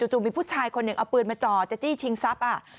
จู่มีผู้ชายคนหนึ่งเอาปืนมาจ่อจะจี้ชิงทรัพย์